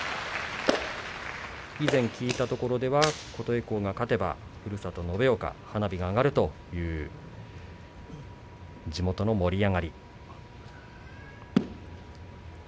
以前聞いたところでは琴恵光が勝てば、ふるさとの延岡では花火が上がるという地元の盛り上がり。